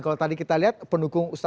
kalau tadi kita lihat pendukung